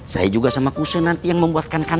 saya juga sama kusoy nanti yang membuatkan kanan